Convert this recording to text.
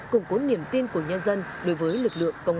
củng cố niềm tin của nhân dân đối với lực lượng công an